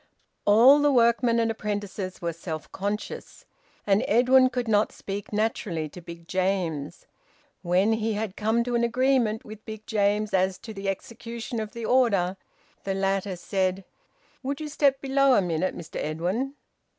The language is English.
All the workmen and apprentices were self conscious. And Edwin could not speak naturally to Big James. When he had come to an agreement with Big James as to the execution of the order, the latter said "Would you step below a minute, Mr Edwin?"